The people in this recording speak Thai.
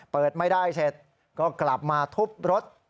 เปิดไม่ได้เสร็จก็กลับมาทุบรถ